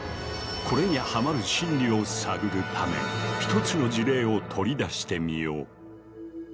これにハマる心理を探るため一つの事例を取り出してみよう。